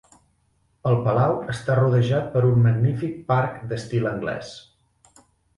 El Palau està rodejat per un magnífic parc d'estil anglès.